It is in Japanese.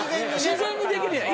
自然にできるやん。